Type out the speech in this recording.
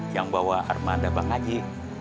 yang bawa armada bang haji